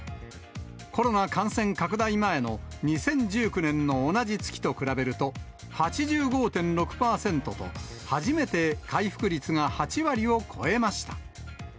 コロナ感染拡大前の２０１９年の同じ月と比べると、８５．６％と、初めて回復率が８割を超えました。